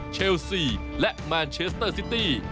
เชลซีและมานเชสเตอร์ซิตี้